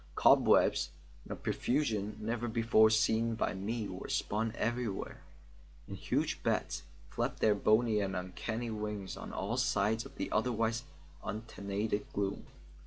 Cobwebs in a profusion never before seen by me were spun everywhere, and huge bats flapped their bony and uncanny wings on all sides of the otherwise untenanted gloom.